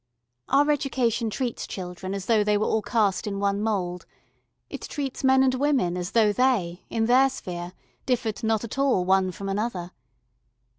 Our education treats children as though they were all cast in one mould; it treats men and women as though they, in their sphere, differed not at all one from another.